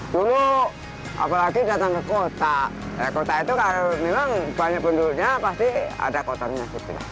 dulu apalagi datang ke kota kota itu kalau memang banyak penduduknya pasti ada kotanya